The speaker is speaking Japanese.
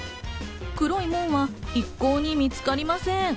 黒い門は一向に見つかりません。